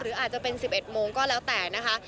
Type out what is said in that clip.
หรืออาจจะเป็น๑๑โมงก็แล้วแต่นะคะ